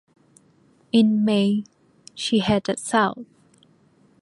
In May, she headed south.